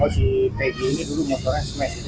oh si peggy ini dulu motornya smash gitu